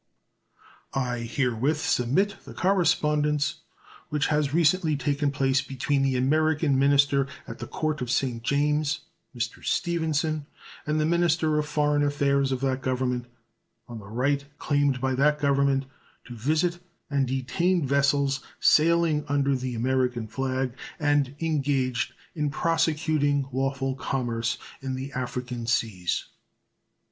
I herewith submit the correspondence which has recently taken place between the American minister at the Court of St. James, Mr. Stevenson, and the minister of foreign affairs of that Government on the right claimed by that Government to visit and detain vessels sailing under the American flag and engaged in prosecuting lawful commerce in the African seas.